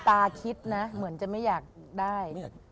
คิดนะเหมือนจะไม่อยากได้